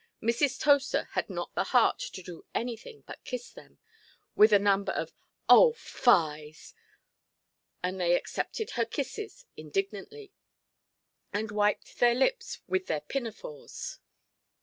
Mrs. Toaster had not the heart to do anything but kiss them, with a number of "O fies"! and they accepted her kisses indignantly, and wiped their lips with their pinafores.